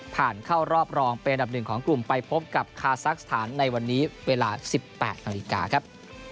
เข้ารอบรองเป็นอันดับหนึ่งของกลุ่มไปพบกับคาซักสถานในวันนี้เวลา๑๘นาฬิกาครับ